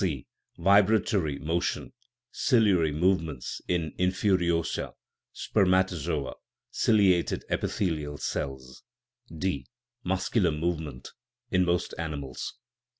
(c) Vibratory motion (ciliary movements) in infu soria, spermatozoa, ciliated epithelial cells. (d) Muscular movement (in most animals).